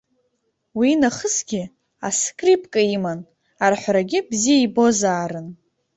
Уи нахысгьы, аскрипка иман, арҳәарагьы бзиа ибозаарын.